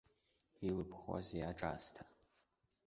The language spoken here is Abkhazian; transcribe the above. Илыбхузеи аҿаасҭа!